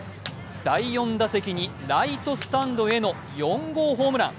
第４打席にライトスタンドへの４号ホームラン。